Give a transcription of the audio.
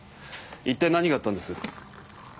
一体何があったんです？